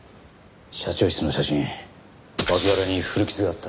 社長室の写真脇腹に古傷があった。